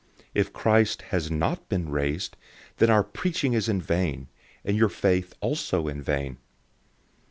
015:014 If Christ has not been raised, then our preaching is in vain, and your faith also is in vain.